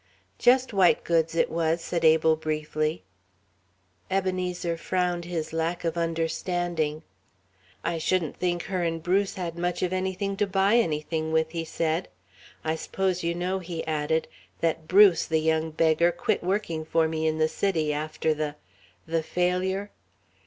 "Just white goods, it was," said Abel, briefly. Ebenezer frowned his lack of understanding. "I shouldn't think her and Bruce had much of anything to buy anything with," he said. "I s'pose you know," he added, "that Bruce, the young beggar, quit working for me in the City after the the failure?